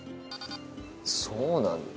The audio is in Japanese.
そうなんだ。